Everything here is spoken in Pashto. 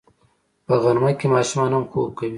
په غرمه کې ماشومان هم خوب کوي